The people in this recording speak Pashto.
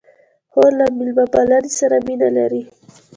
خور له میلمه پالنې سره مینه لري.